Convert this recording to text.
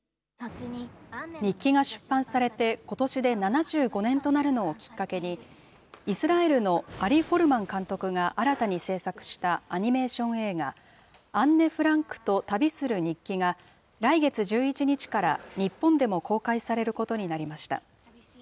日記が出版されてことしで７５年となるのをきっかけに、イスラエルのアリ・フォルマン監督が新たに製作したアニメーション映画、アンネ・フランクと旅する日記が来月１１日から日本でも公開されることになりました。